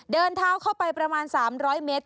เดินเท้าเข้าไปประมาณ๓๐๐เมตร